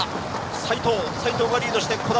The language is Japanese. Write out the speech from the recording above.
齋藤がリードして兒玉。